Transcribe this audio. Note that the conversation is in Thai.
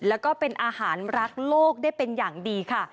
แล้วก็เป็นอาหารรักโลกได้เป็นอย่างดีค่ะ